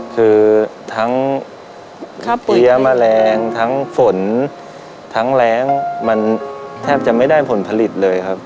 คือทั้งเลี้ยแมลงทั้งฝนทั้งแรงมันแทบจะไม่ได้ผลผลิตเลยครับ